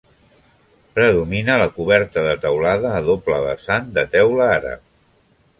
Predomina la coberta de teulada a doble vessant de teula àrab.